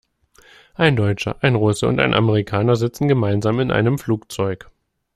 Ein Deutscher, ein Russe und ein Amerikaner sitzen gemeinsam in einem Flugzeug.